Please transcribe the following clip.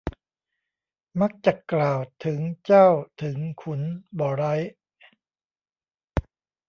มักจักกล่าวถึงเจ้าถึงขุนบ่ไร้